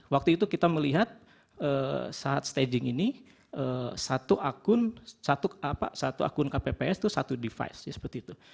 waktu itu kita melihat saat stading ini satu akun kpps itu satu device ya seperti itu